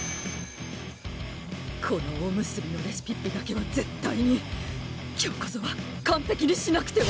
このおむすびのレシピッピだけは絶対に今日こそは完璧にしなくては！